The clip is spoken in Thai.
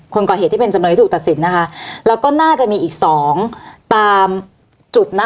คนก่อเหตุที่เป็นจำเลยที่ถูกตัดสินนะคะแล้วก็น่าจะมีอีกสองตามจุดนะ